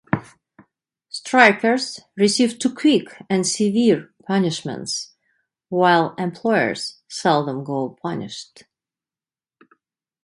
Strikers receive too quick and severe punishments while employers seldom go punished.